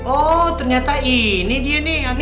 oh ternyata ini dia nih